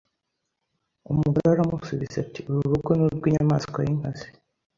Umugore aramusubiza ati Uru rugo ni urw' inyamaswa y' inkazi